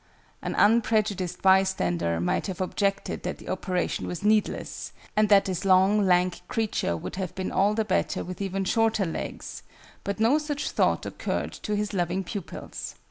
An unprejudiced bystander might have objected that the operation was needless, and that this long, lank creature would have been all the better with even shorter legs: but no such thought occurred to his loving pupils.